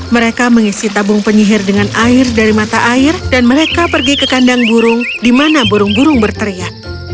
mereka mengisi tabung penyihir dengan air dari mata air dan mereka pergi ke kandang burung di mana burung burung berteriak